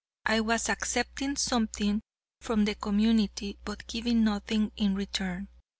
I was accepting something from the community, but giving nothing in return.